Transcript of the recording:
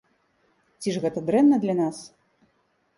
Ці ж гэта дрэнна для нас?